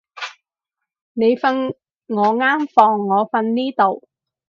你瞓我間房，我瞓呢度